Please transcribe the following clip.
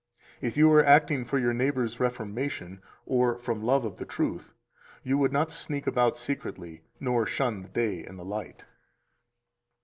283 If you were acting for your neighbor's reformation or from love of the truth, you would not sneak about secretly nor shun the day and the light.